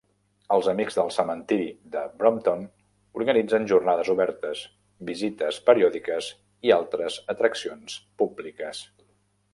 Els Amics del cementiri de Brompton organitzen jornades obertes, visites periòdiques i altres atraccions públiques.